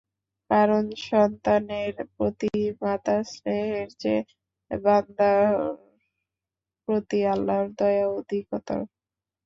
কারণ সন্তানের প্রতি মাতার স্নেহের চেয়ে বান্দাহর প্রতি আল্লাহর দয়া অধিকতর।